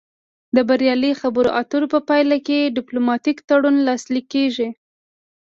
د بریالۍ خبرو اترو په پایله کې ډیپلوماتیک تړون لاسلیک کیږي